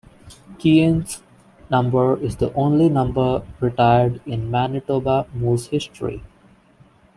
Keane's number is the only number retired in Manitoba Moose history.